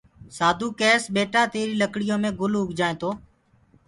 سآڌوٚ ڪيس ٻيٽآ تيريٚ لڪڙيو مي گُل اوگجآئينٚ تو